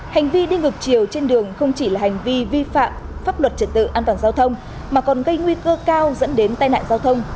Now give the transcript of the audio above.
hành vi đi ngược chiều trên đường không chỉ là hành vi vi phạm pháp luật trật tự an toàn giao thông mà còn gây nguy cơ cao dẫn đến tai nạn giao thông